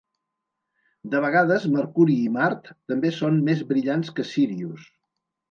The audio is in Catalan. De vegades, Mercuri i Mart també són més brillants que Sírius.